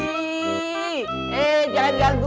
eh pergi jangan ganggu